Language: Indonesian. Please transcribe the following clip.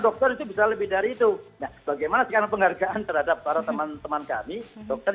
dokter itu bisa lebih dari itu nah bagaimana sekarang penghargaan terhadap para teman teman kami dokter